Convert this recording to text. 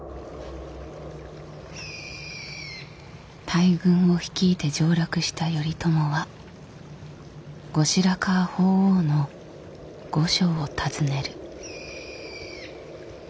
大軍を率いて上洛した頼朝は後白河法皇の御所を訪ねる。